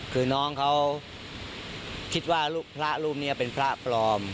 คือน้องเขาคิดว่าพระรูปนี้เป็นพระปลอม